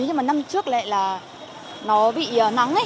nhưng mà năm trước lại là nó bị nóng